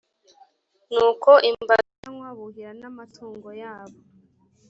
nuko imbaga iranywa, buhira n’amatungo yabo.